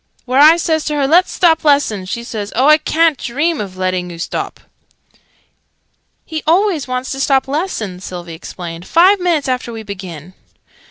"When I says to her 'Let's stop lessons!', she says 'Oh, I ca'n't dream of letting oo stop yet!'" "He always wants to stop lessons," Sylvie explained, "five minutes after we begin!"